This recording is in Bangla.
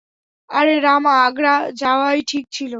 আরে রামা, আগ্রা যাওয়াই ঠিক ছিল।